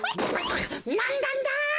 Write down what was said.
なんなんだ！